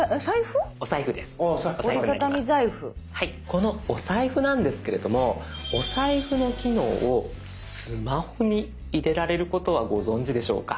このおサイフなんですけれどもおサイフの機能をスマホに入れられることはご存じでしょうか？